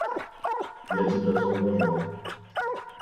Я тебя зауважал.